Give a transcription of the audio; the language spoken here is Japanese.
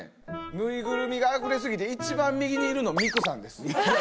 ぬいぐるみがあふれ過ぎて一番右にいるの美紅さんです。